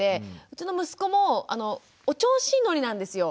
うちの息子もお調子乗りなんですよ。